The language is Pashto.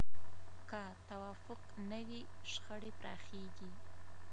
که توافق نه وي، شخړې پراخېږي.